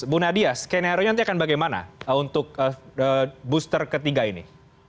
bu nadia skenario nanti akan bagaimana untuk booster ketiga ini